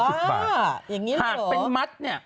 อย่างนี้หรือเปล่าหากเป็นมัดนี่